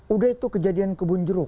udah itu kejadian kebun jeruk